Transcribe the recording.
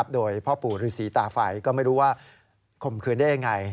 โดยพ่อปู่ฤษีตาไฟก็ไม่รู้ว่าข่มขืนได้ยังไง